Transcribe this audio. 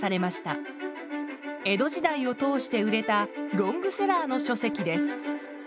江戸時代を通して売れたロングセラーのしょせきです。